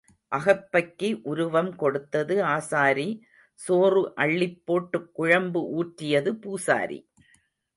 அகப்பைக்கு உருவம் கொடுத்தது ஆசாரி சோறு அள்ளிப் போட்டுக் குழம்பு ஊற்றியது பூசாரி.